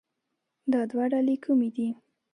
دا دوه ډلې کومې دي